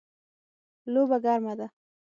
لوبه ګرمه ده